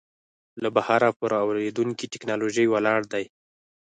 له بهره پر واردېدونکې ټکنالوژۍ ولاړ دی.